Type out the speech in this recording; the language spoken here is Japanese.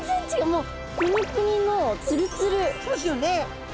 もうそうですよね。